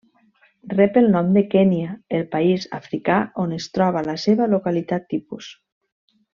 Rep el nom de Kenya, el país africà on es troba la seva localitat tipus.